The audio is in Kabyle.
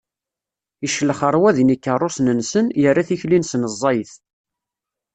Iclex ṛṛwaḍi n ikeṛṛusen-nsen, irra tikli-nsen ẓẓayet.